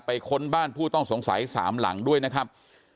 ค้นบ้านผู้ต้องสงสัย๓หลังด้วยนะครับ